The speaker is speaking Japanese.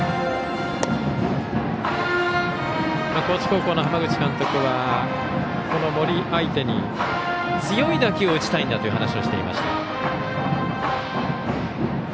高知高校の浜口監督はこの森相手に強い打球を打ちたいんだという話をしていました。